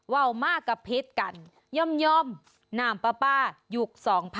ว่าวมากกับพิษกันย่อมนามป้าป้ายุก๒๐